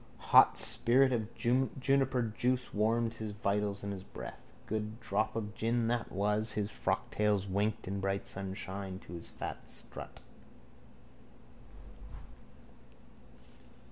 Hot spirit of juniper juice warmed his vitals and his breath. Good drop of gin, that was. His frocktails winked in bright sunshine to his fat strut.